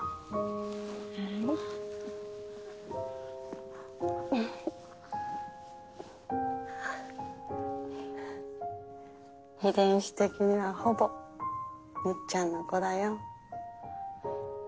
はい遺伝子的にはほぼみっちゃんの子だよ